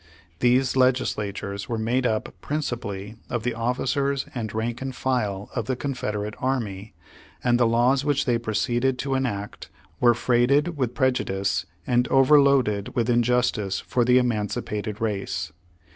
These legislatures were made up principally of the officers and rank and file of the Confederate Army, and the laws which they proceeded to enact were freighted with prejudice and overloaded with in justice for the emancipated race.